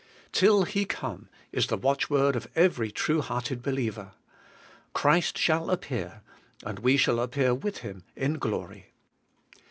'Till He come, Ms the watchword of every true hearted believer. 'Christ shall appear, and we shall appear with Him in glory.